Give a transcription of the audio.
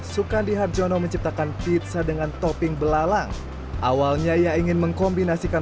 sukandi harjono menciptakan pizza dengan topping belalang awalnya ia ingin mengkombinasikan